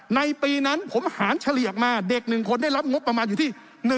ในปีนั้นผมหารเฉลี่ยมาเด็ก๑คนได้รับงบประมาณอยู่ที่